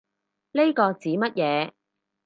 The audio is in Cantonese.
呢個指乜嘢